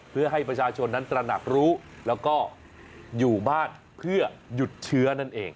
เพื่อให้ประชาชนนั้นตระหนักรู้แล้วก็อยู่บ้านเพื่อหยุดเชื้อนั่นเอง